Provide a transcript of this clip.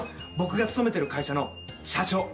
僕が勤めてる会社の社長。